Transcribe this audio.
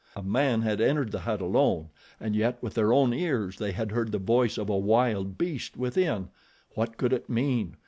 A man had entered the hut alone, and yet with their own ears they had heard the voice of a wild beast within. What could it mean?